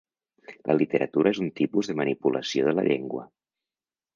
La literatura és un tipus de manipulació de la llengua.